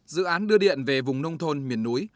dự án đưa điện về vùng nông thôn miền núi